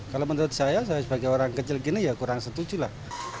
kalau menurut saya saya sebagai orang kecil gini ya kurang setuju lah